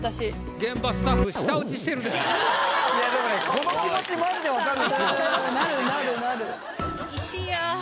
この気持ちまじで分かる。